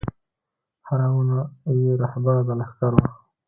هره ونه یې رهبره د لښکر وه